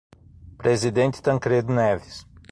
Presidente Tancredo Neves